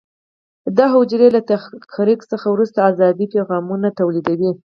دا حجرې له تحریک څخه وروسته عصبي پیغامونه تولیدوي.